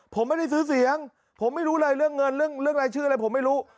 ผมไม่ได้ซื้อเสียงผมไม่รู้เลยเรื่องเงินเรื่องรายชื่ออะไรผมไม่รู้